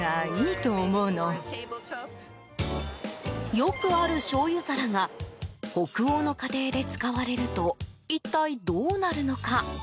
よくある、しょうゆ皿が北欧の家庭で使われると一体どうなるのか。